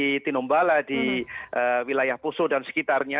di tinombala di wilayah poso dan sekitarnya